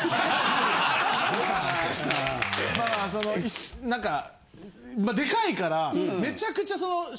まあその何かデカいからめちゃくちゃ。